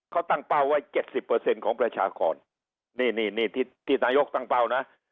เขาตั้งเป้าไว้๗๐ของประชากรนี่นี่ที่นายกตั้งเป้านะ